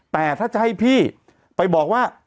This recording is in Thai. แต่ถ้าจะให้พี่ไปบอกว่า